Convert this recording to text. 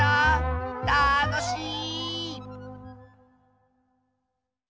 たのしい！